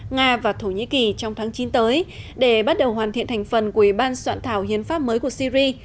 nga và thổ nhĩ kỳ trong tháng chín tới để bắt đầu hoàn thiện thành phần của ủy ban soạn thảo hiến pháp mới của syri